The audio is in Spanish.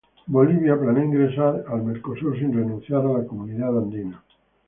Bolivia planea ingresar al Mercosur sin renunciar a la Comunidad Andina.